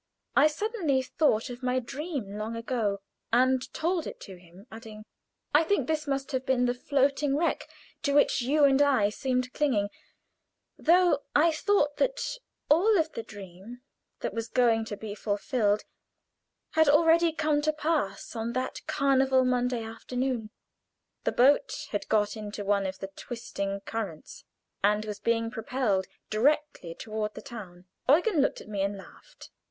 I suddenly thought of my dream long ago, and told it to him, adding: "I think this must have been the floating wreck to which you and I seemed clinging; though I thought that all of the dream that was going to be fulfilled had already come to pass on that Carnival Monday afternoon." The boat had got into one of the twisting currents, and was being propelled directly toward the town. Eugen looked at me and laughed.